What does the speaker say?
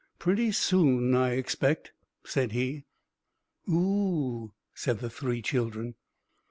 "Pretty soon, I expect," said he. "Oo!" said the three children.